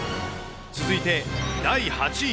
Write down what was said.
続いて第８位。